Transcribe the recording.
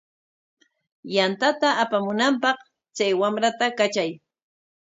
Yantata apamunanpaq chay wamrata katray.